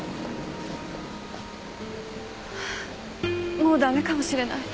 もう駄目かもしれない。